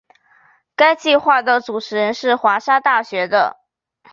该计画的主持人是华沙大学的。